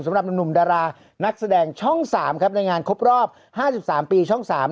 สำหรับหนุ่มดารานักแสดงช่องสามครับในงานครบรอบห้าสิบสามปีช่องสาม